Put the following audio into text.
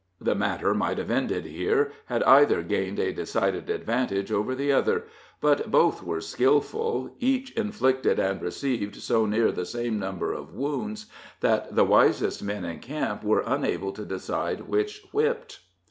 The matter might have ended here, had either gained a decided advantage over the other; but both were skillful each inflicted and received so near the same number of wounds, that the wisest men in camp were unable to decide which whipped.